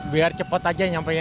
biar cepat aja nyampe ya